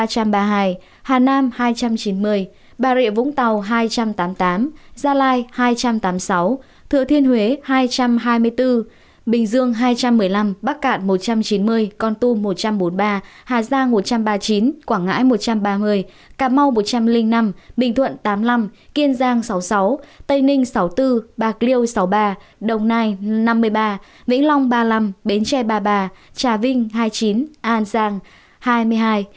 hà nam hai trăm chín mươi bà rịa vũng tàu hai trăm tám mươi tám gia lai hai trăm tám mươi sáu thựa thiên huế hai trăm hai mươi bốn bình dương hai trăm một mươi năm bắc cạn một trăm chín mươi con tum một trăm bốn mươi ba hà giang một trăm ba mươi chín quảng ngãi một trăm ba mươi cà mau một trăm linh năm bình thuận tám mươi năm kiên giang sáu mươi sáu tây ninh sáu mươi bốn bạc liêu sáu mươi ba đồng nai năm mươi ba vĩnh long ba mươi năm bến tre ba mươi ba trà vinh hai mươi chín an giang hai mươi hai cần thơ hai mươi hai